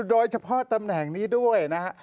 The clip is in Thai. โดยเฉพาะตำแหน่งนี้ด้วยนะฮะ